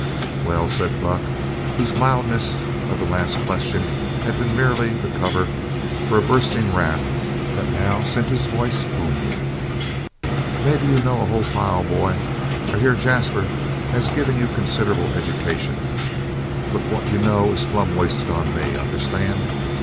"Well," said Buck, whose mildness of the last question had been merely the cover for a bursting wrath that now sent his voice booming, "maybe you know a whole pile, boy I hear Jasper has give you consid'able education but what you know is plumb wasted on me. Understand?